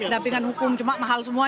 dapingan hukum cuma mahal semua